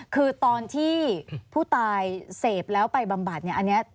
คือตอนที่ผู้ตายเสพแล้วไปบำบัดเนี่ยอันนี้